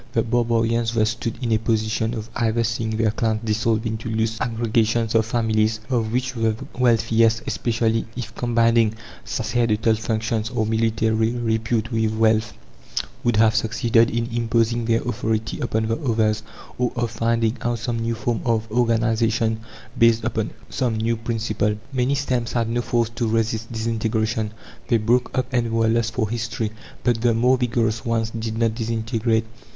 The barbarians thus stood in a position of either seeing their clans dissolved into loose aggregations of families, of which the wealthiest, especially if combining sacerdotal functions or military repute with wealth, would have succeeded in imposing their authority upon the others; or of finding out some new form of organization based upon some new principle. Many stems had no force to resist disintegration: they broke up and were lost for history. But the more vigorous ones did not disintegrate.